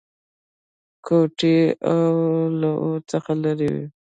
کوټې له ور څخه لرې وې.